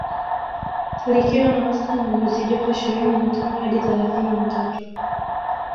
Likiwa na wastani wa nyuzi joto ishirini na tano hadi thelathini na tatu